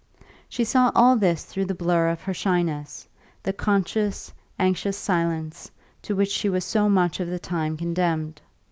She saw all this through the blur of her shyness, the conscious, anxious silence to which she was so much of the time condemned.